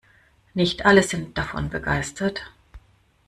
Nicht alle sind davon begeistert.